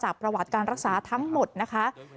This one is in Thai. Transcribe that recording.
ประวัติการรักษาทั้งหมดนะคะ